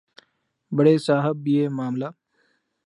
بڑے صاحب یہ معاملہ